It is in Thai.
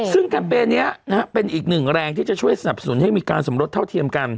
ซึ่งการเปลี่ยนนี้นะครับเป็นอีกหนึ่งแรงที่จะช่วยสนับสนุนให้มีการสำรวจเท่าเทียมกัน